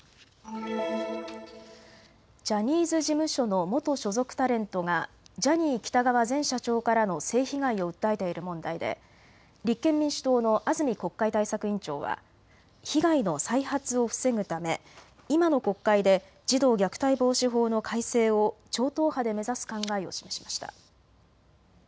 ジャニーズ事務所の元所属タレントがジャニー喜多川前社長からの性被害を訴えている問題で立憲民主党の安住国会対策委員長は被害の再発を防ぐため今の国会で児童虐待防止法の改正を超党派で目指す考えを示しました。